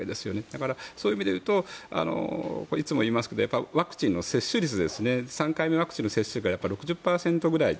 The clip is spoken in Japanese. だから、そういう意味で言うといつも言いますけどワクチンの接種率ですね３回目のワクチンの接種が６０％ぐらい。